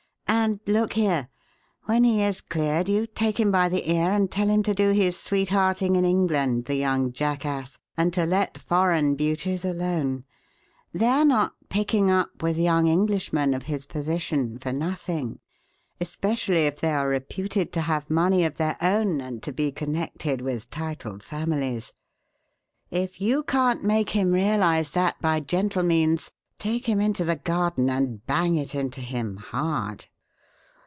And look here! When he is cleared you take him by the ear and tell him to do his sweethearting in England, the young jackass, and to let foreign beauties alone; they're not picking up with young Englishmen of his position for nothing, especially if they are reputed to have money of their own and to be connected with titled families. If you can't make him realize that by gentle means, take him into the garden and bang it into him hard."